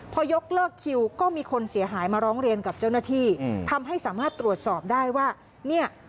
พอยกเลิกคิวก็มีคนเสียหายมาร้องเรียนกับเจ้าหน้าที่ทำให้สามารถตรวจสอบได้ว่าเนี่ย